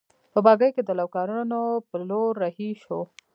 په بګۍ کې د لوکارنو په لور رهي شوو.